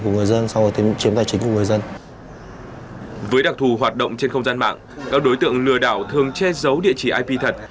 với đặc thù hoạt động trên không gian mạng các đối tượng lừa đảo thường che giấu địa chỉ ip thật